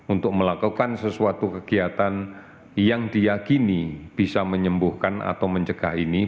untuk melakukan sesuatu kegiatan yang diakini bisa menyembuhkan atau mencegah ini